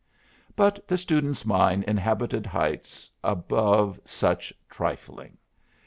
But the student's mind inhabited heights above such trifling.